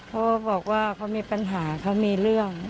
เขาบอกว่าเขามีปัญหาเขามีเรื่อง